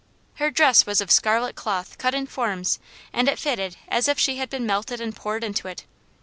Her dress was of scarlet cloth cut in forms, and it fitted as if she had been melted and poured into it.